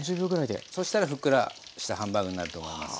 そしたらふっくらしたハンバーグになると思います。